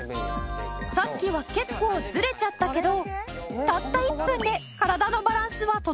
さっきは結構ずれちゃったけどたった１分で体のバランスは整ったかな？